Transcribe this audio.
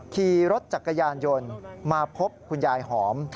ขี่รถจักรยานยนต์มาพบคุณยายหอม